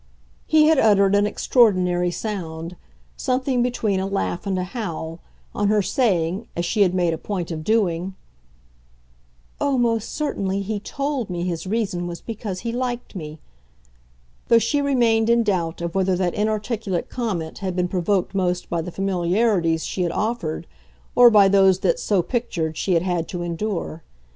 He had uttered an extraordinary sound, something between a laugh and a howl, on her saying, as she had made a point of doing: "Oh, most certainly, he TOLD me his reason was because he 'liked' me" though she remained in doubt of whether that inarticulate comment had been provoked most by the familiarities she had offered or by those that, so pictured, she had had to endure.